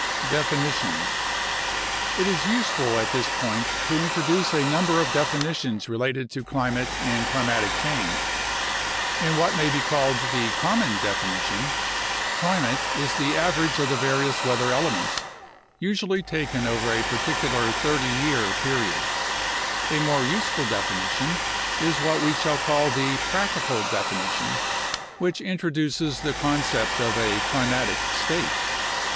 Definitions It is useful at this point to introduce a number of definitions related to climate and climatic change. In what may be called the "common" definition, climate is the average of the various weather elements, usually taken over a particular 30 year period. A more useful definition is what we shall call the "practical" definition, which introduces the con cept of a climatic state.